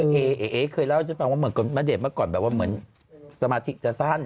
เขาเคยเล่าให้เข้ามาแม่เดชน์เมื่อก่อนเหมือนสมาธิสั้น